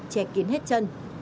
che kín hết chân